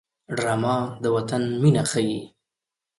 ډرامه د وطن مینه ښيي